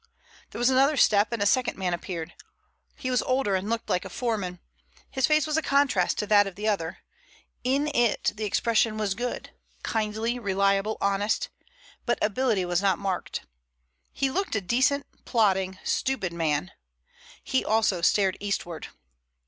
There was another step and a second man appeared. He was older and looked like a foreman. His face was a contrast to that of the other. In it the expression was good—kindly, reliable, honest—but ability was not marked. He looked a decent, plodding, stupid man. He also stared eastward.